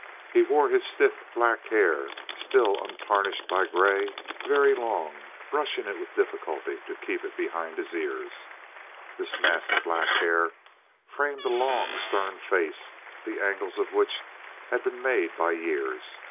He wore his stiff black hair, still untarnished by gray, very long, brushing it with difficulty to keep it behind his ears. This mass of black hair framed a long, stern face, the angles of which had been made by years.